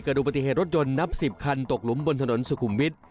ดูปฏิเหตุรถยนต์นับ๑๐คันตกหลุมบนถนนสุขุมวิทย์